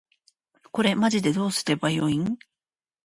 これマジでどうすれば良いん？